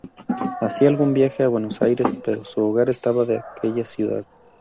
Hacía algún viaje a Buenos Aires, pero su hogar estaba en aquella ciudad.